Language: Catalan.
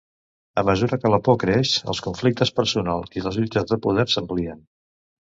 A mesura que la por creix, els conflictes personals i les lluites de poder s'amplien.